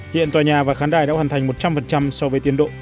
hiện tòa nhà và khán đài đã hoàn thành một trăm linh so với tiến độ